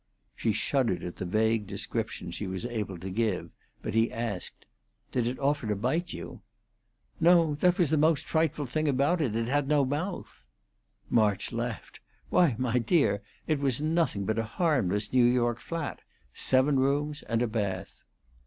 She shuddered at the vague description she was able to give; but he asked, "Did it offer to bite you?" "No. That was the most frightful thing about it; it had no mouth." March laughed. "Why, my dear, it was nothing but a harmless New York flat seven rooms and a bath."